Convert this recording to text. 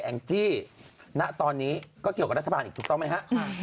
งจี้ณตอนนี้ก็เกี่ยวกับรัฐบาลอีกถูกต้องไหมฮะ